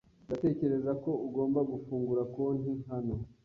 Ndatekereza ko ugomba gufungura konti hano.